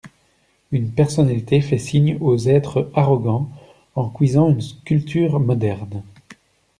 Une personnalité fait signe aux êtres arrogants en cuisant une sculpture moderne.